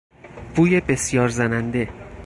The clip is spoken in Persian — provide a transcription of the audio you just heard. بوی بسیار زننده